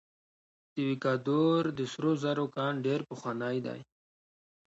د ویکادور د سرو زرو کان ډیر پخوانی دی.